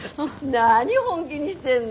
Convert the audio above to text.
何本気にしてんの。